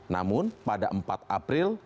namun pada empat april